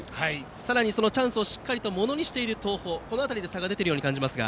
さらにそのチャンスをものにしている東邦、この辺りで差が出ているように感じますが。